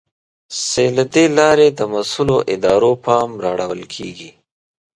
چې له دې لارې د مسؤلو ادارو پام را اړول کېږي.